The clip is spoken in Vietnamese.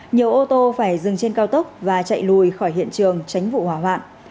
nhiều ô tô phải dừng trên cao tốc và chạy lùi khỏi hiện trường tránh vụ hỏa hoạn